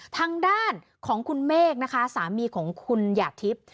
ทางด้านของคุณเมฆนะคะสามีของคุณหยาดทิพย์